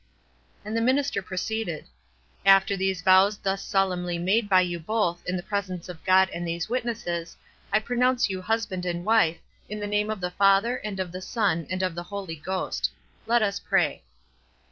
And the minister proceeded : "After these vows thus solemnly made by you both in the presence of God and these witnesses, I pronounce you husband and wife, in the mime of the Father, and of the Son, and of the Holy Ghost. Let us pray."